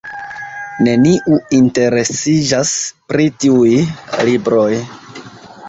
Neniu interesiĝas pri tiuj libroj.